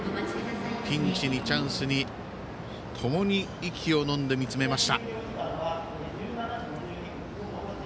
ピンチにチャンスにともに息をのんで見つめました。